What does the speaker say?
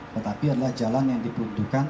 tetapi adalah jalan yang diperuntukkan